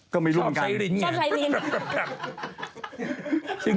ก็ไม่รู้กัน